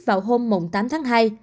vào hôm tám tháng hai